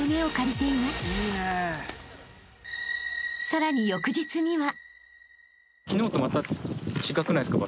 ［さらに翌日には］